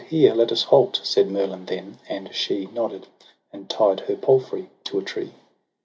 ' Here let us halt,' said Merlin then ; and she Nodded, and tied her palfrey to a tree.